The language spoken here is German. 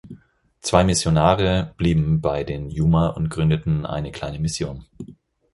Zwei Missionare blieben bei den Yuma und gründeten eine kleine Mission.